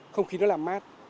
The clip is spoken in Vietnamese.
không khí nó làm mát